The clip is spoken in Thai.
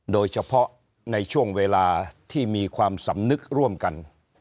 โดยเฉพาะในช่วงเวลาที่มีความสำนึกร่วมกัน